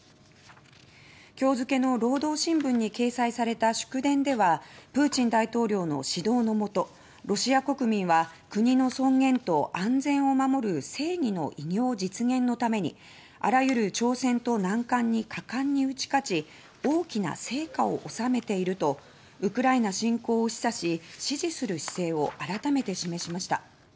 今日付けの「労働新聞」に掲載された祝電では「プーチン大統領の指導の下ロシア国民は国の尊厳と安全を守る正義の偉業実現のためにあらゆる挑戦と難関に果敢に打ち勝ち大きな成果を収めている」とウクライナ侵攻を示唆し支持する姿勢を改めて示しました。